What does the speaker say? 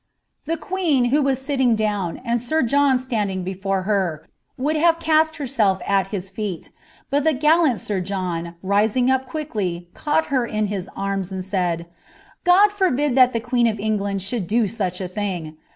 The queen, who waa sitting down and sir John standing before her, would have cast herself at his feet ; but the gallant sir John, rising up (jnickly, caught her in his arms, and said, ''God forbid that the queen of England should do such a thing!